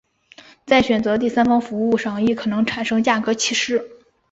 在选择的第三方服务上亦可能产生价格歧视。